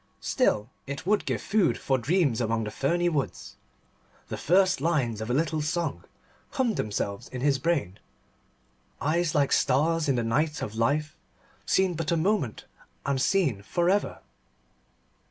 Still, it would give food for dreams among the ferny woods. The first lines of a little song hummed themselves in his brain "Eyes like stars in the night of life, Seen but a moment and seen for ever."